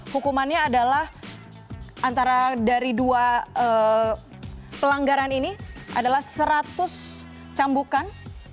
hukumannya adalah antara dari dua pelanggaran ini adalah seratus cambukan